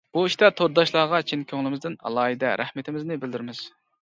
بۇ ئىشتا تورداشلارغا چىن كۆڭلىمىزدىن ئالاھىدە رەھمىتىمىزنى بىلدۈرىمىز.